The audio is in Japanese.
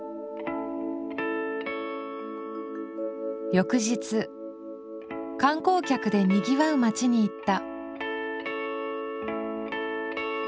翌日観光客でにぎわう町に行った。